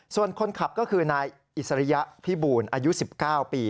ส่วนคนขับก็คือนายอิสริยะพิบูลอายุ๑๙ปี